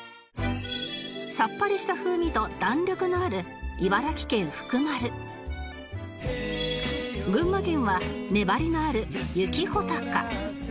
さっぱりした風味と弾力のある群馬県は粘りのある雪ほたか